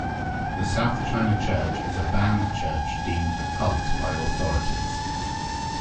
The South China Church is a banned church deemed a "cult" by authorities.